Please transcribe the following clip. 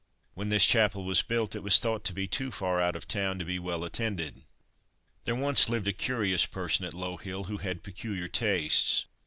When this chapel was built it was thought to be too far out of town to be well attended. There once lived a curious person at Low hill who had peculiar tastes.